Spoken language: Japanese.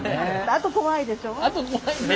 あと怖いでしょう？